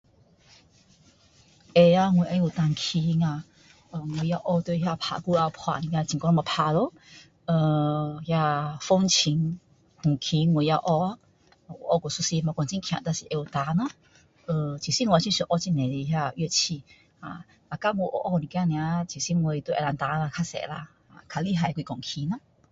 会啊我会弹琴啊也学那打鼓来打呃那风琴风琴我也有学学过一段时间没有很厉害但是也会弹咯呃其实我是很想学很多的那乐器啊只要我要弹一点而已学一点就会了比较厉害的就是钢琴咯